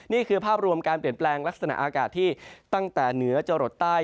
นี่คือภาพรวมการเปลี่ยนแปลงลักษณะอากาศที่ตั้งแต่เหนือจรดใต้